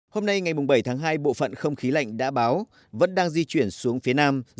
hôm nay ngày bảy tháng hai bộ phận không khí lạnh đã báo vẫn đang di chuyển xuống phía nam